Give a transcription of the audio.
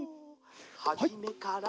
「はじめから」